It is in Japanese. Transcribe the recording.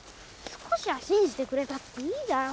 少しは信じてくれたっていいだろ。